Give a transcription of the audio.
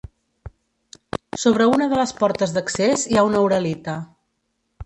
Sobre una de les portes d'accés hi ha una uralita.